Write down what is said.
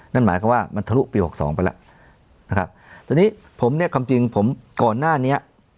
นั่นหมายความว่ามันทะลุปีหกสองไปแล้วนะครับตอนนี้ผมเนี่ยความจริงผมก่อนหน้านี้